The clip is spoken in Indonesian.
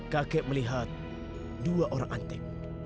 kakek melihat dua orang antek